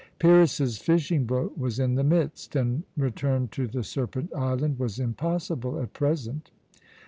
Pyrrhus's fishing boat was in the midst, and return to the Serpent Island was impossible at present.